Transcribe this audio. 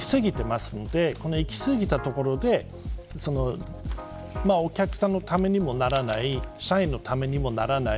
いき過ぎているのでこのいき過ぎたところでお客さんのためにもならず社員のためにもならない。